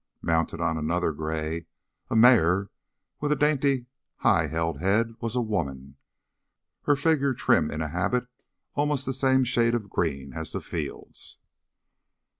Mounted on another gray a mare with a dainty, high held head was a woman, her figure trim in a habit almost the same shade of green as the fields.